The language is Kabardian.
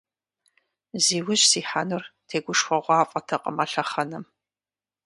Зи ужь сихьэнур тегушхуэгъуафӀэтэкъым а лъэхъэнэм.